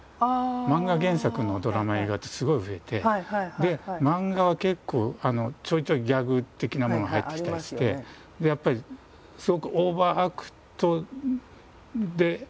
漫画原作のドラマ映画ってすごい増えて漫画は結構ちょいちょいギャグ的なものが入ってきたりしてやっぱりすごくオーバーアクトで描かれているんですね。